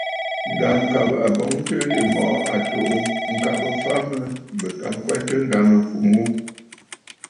Ŋ̀gàŋkabə àbɔ̀ŋəntɨɨ yì mɔ̀ʼɔ à tù'û ŋ̀kabə mfa mə bɨ ka ŋkwɛtə ŋgàŋâfumə ghu.